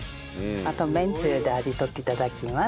あとめんつゆで味取って頂きます。